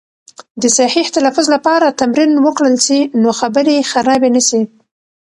د صحیح تلفظ لپاره تمرین وکړل سي، نو خبرې خرابې نه سي.